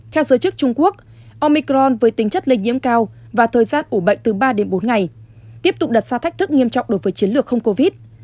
theo giới chức trung quốc omicron với tính chất lây nhiễm cao và thời gian ủ bệnh từ ba đến bốn ngày tiếp tục đặt ra thách thức nghiêm trọng đối với chiến lược không covid